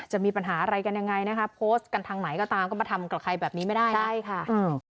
จะมีปัญหาอะไรกันยังไงนะคะโพสต์กันทางไหนก็ตามก็มาทำกับใครแบบนี้ไม่ได้ใช่ค่ะอืม